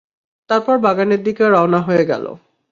তারপর বাগানের দিকে রওনা হয়ে গেল।